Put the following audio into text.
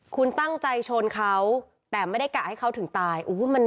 คุณตั้งใจชนเขาแต่ไม่ได้กะให้เขาถึงตาย